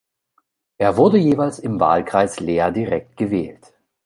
Er wurde jeweils im Wahlkreis Leer direkt gewählt.